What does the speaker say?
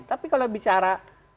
tapi kalau bicara